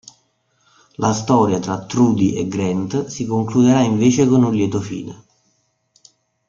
La storia tra Trudy e Grant si concluderà invece con un lieto fine.